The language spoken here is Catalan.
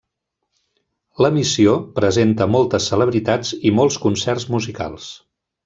L'emissió presenta moltes celebritats i molts concerts musicals.